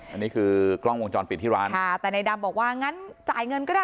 อันนี้คือกล้องวงจรปิดที่ร้านค่ะแต่ในดำบอกว่างั้นจ่ายเงินก็ได้